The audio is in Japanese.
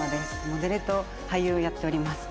モデルと俳優をやっております。